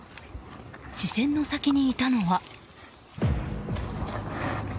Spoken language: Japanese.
視線の先にいたのは。